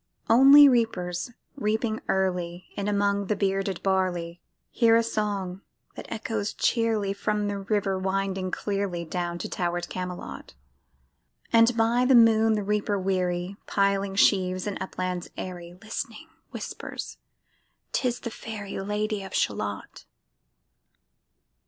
Only reapers, reaping early In among the bearded barley, Hear a song that echoes cheerly From the river winding clearly, Down to tower'd Camelot: And by the moon the reaper weary Piling sheaves in uplands airy, Listening, whispers "'Tis the fairy Lady of Shalott."